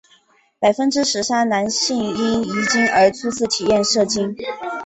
百分之十三的男性因遗精而初次体验射精。